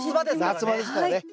夏場ですからね。